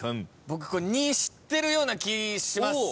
僕２知ってるような気します。